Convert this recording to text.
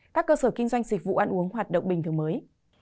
các cơ sở kinh doanh dịch vụ ăn uống hoạt động bình thường mới